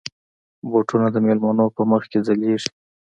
بوټونه د مېلمنو په مخ کې ځلېږي.